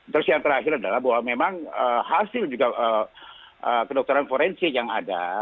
terus yang terakhir adalah bahwa memang hasil juga kedokteran forensik yang ada